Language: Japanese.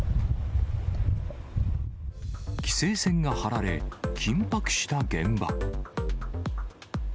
規制線が張られ、緊迫した現場。